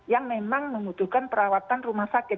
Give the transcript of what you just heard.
yang memang membutuhkan perawatan rumah sakit